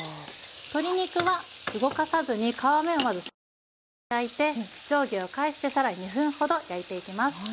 鶏肉は動かさずに皮目をまず３分ほど焼いて上下を返して更に２分ほど焼いていきます。